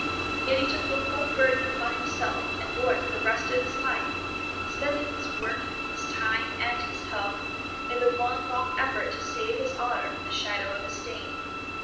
Yet he took the whole burden upon himself and bore it for the rest of his life, spending his work, his time, and his health in the one long effort to save his honour from the shadow of a stain.